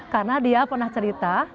karena dia pernah cerita